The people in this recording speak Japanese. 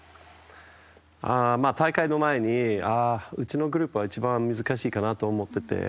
大会の前に、うちのグループは一番難しいかなと思ってて。